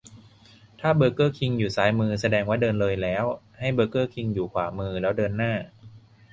ถ้าเบอร์เกอร์คิงอยู่ซ้ายมือ แสดงว่าเดินเลยแล้ว ให้เบอร์เกอร์คิงอยู่ขวา แล้วเดินหน้า